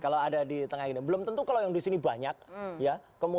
kalau ada di tengah ini belum tentu kalau yang di sini banyak ya